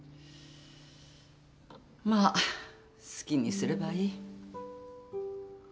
まあ好きにすればいい。